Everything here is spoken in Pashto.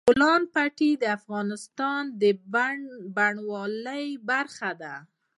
د بولان پټي د افغانستان د بڼوالۍ برخه ده.